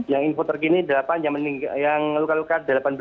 yang info terkini delapan yang luka luka delapan belas